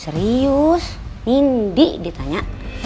serius nindy ditanya